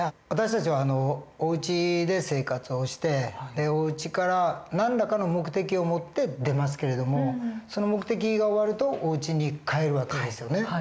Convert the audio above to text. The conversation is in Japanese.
私たちはおうちで生活をしておうちから何らかの目的を持って出ますけれどもその目的が終わるとおうちに帰る訳ですよね。